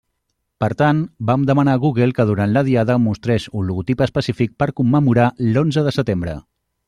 Per tant, vam demanar a Google que durant la Diada mostrés un logotip específic per commemorar l'onze de setembre.